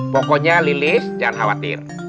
pokoknya lilis jangan khawatir